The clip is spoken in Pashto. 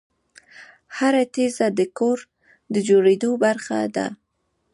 هره تیږه د کور د جوړېدو برخه ده.